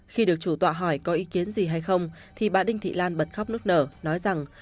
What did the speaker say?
khi được chủ tọa hỏi có ý kiến gì hay không thì bà đinh thị lan bật khóc nốt nở nói rằng